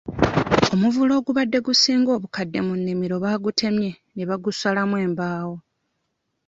Omuvule ogubadde gusinga obukadde mu nnimiro baagutemye ne bagusalamu embaawo.